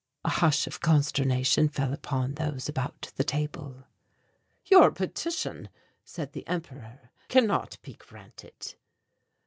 A hush of consternation fell upon those about the table. "Your petition," said the Emperor, "cannot be granted."